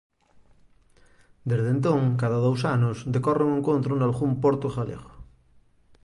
Desde entón, cada dous anos, decorre un encontro nalgún porto galego.